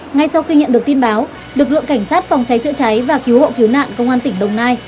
ngay sau khi nhận được tin báo lực lượng cảnh sát phòng cháy chữa cháy và cứu hộ cứu nạn công an tỉnh đồng nai